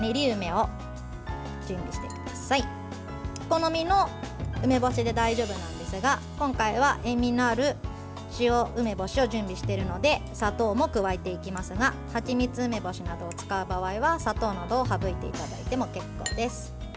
お好みの梅干しで大丈夫なんですが今回は塩みのある塩梅干しを準備しているので砂糖も加えていきますがはちみつ梅干しなどを使う場合は砂糖などを省いていただいても結構です。